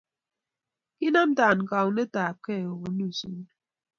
kinamtan kaunetab gei obunu sukul